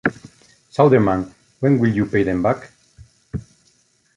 Southern Man, when will you pay them back?